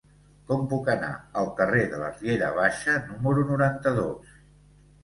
Com puc anar al carrer de la Riera Baixa número noranta-dos?